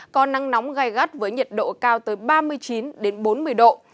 có nắng nóng gai gắt với nhiệt độ cao tới ba mươi chín bốn mươi độ